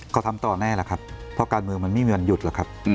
ก็ทำต่อแน่แหละครับเพราะการเมืองมันไม่มีเงินหยุดหรอกครับ